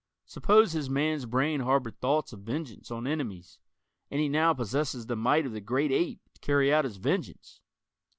Suppose his man's brain harbored thoughts of vengeance on enemies, and he now possesses the might of the great ape to carry out his vengeance?